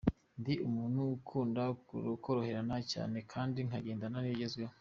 Ndi umuntu ukunda koroherana cyane kandi nkagendana n’ibigezweho.